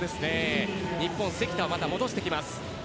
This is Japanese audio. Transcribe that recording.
日本、関田をまた戻してきます。